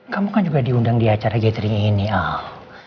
kamu kan juga diundang di acara gathering ini ah